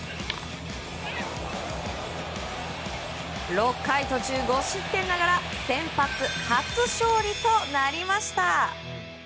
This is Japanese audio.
６回途中５失点ながら先発初勝利となりました。